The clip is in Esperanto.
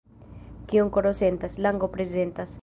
Kion koro sentas, lango prezentas.